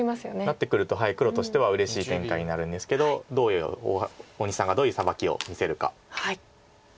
なってくると黒としてはうれしい展開になるんですけど大西さんがどういうサバキを見せるか。